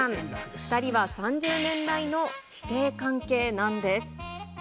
２人は３０年来の師弟関係なんです。